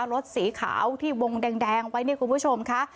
รถสีขาวที่วงแดงไว้เนี่ยคุณผู้ชมค่ะ